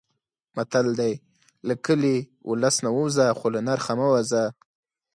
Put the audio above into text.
متل دی: له کلي، اولس نه ووځه خو له نرخه مه وځه.